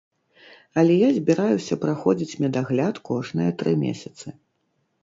Але я збіраюся праходзіць медагляд кожныя тры месяцы.